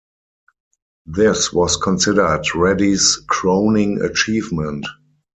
This was considered Reddy's crowning achievement.